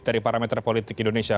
dari parameter politik indonesia